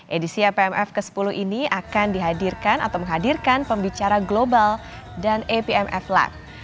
edisia pmf ke sepuluh ini akan dihadirkan atau menghadirkan pembicara global dan apmf luck